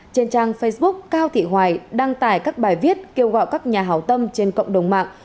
trên trang facebook cao thị hoài đăng tải các bài viết kêu gọi các nhà hảo tâm trên cộng đồng mạng